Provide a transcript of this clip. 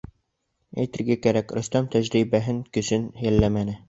Әйтергә кәрәк, Рөстәм тәжрибәһен, көсөн йәлләмәне.